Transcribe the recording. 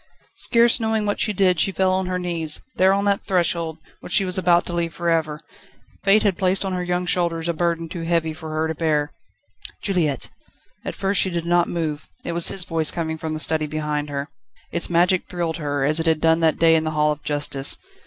Scarce knowing what she did, she fell on her knees, there on that threshold, which she was about to leave for ever. Fate had placed on her young shoulders a burden too heavy for her to bear. "Juliette!" At first she did not move. It was his voice coming from the study behind her. Its magic thrilled her, as it had done that day in the Hall of Justice.